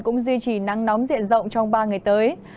cũng duy trì nắng nóng diện rộng trong ba ngày tới